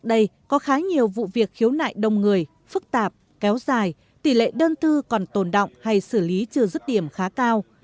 trước đây có khá nhiều vụ việc khiếu nại đông người phức tạp kéo dài tỷ lệ đơn thư còn tồn động hay xử lý trừ rứt điểm khá cao